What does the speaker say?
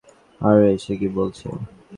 আরে, সে কি বলছে?